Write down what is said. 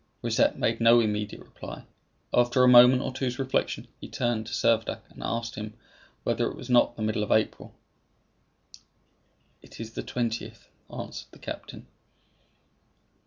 Rosette made no immediate reply. After a moment or two's reflection, he turned to Servadac and asked him whether it was not the middle of April. "It is the twentieth," answered the captain.